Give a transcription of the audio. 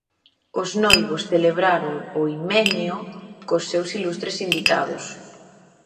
Os noivos celebraron o himeneo cos seus ilustres invitados.